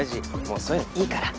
もうそういうのいいから。